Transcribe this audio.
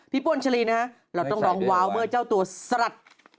พี่ปุ่นฉลีนะฮะเราต้องลองวาวเมื่อเจ้าตัวสลัด